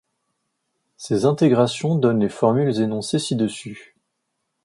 Ces intégrations donnent les formules énoncées ci-dessus.